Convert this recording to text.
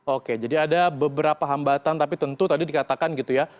oke jadi ada beberapa hambatan tapi tentu tadi dikatakan gitu ya